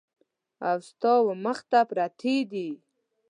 او ستا ومخ ته پرتې دي !